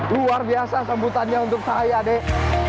luar biasa sambutannya untuk saya deh